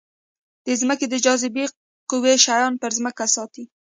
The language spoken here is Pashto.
د ځمکې د جاذبې قوه شیان پر ځمکې ساتي.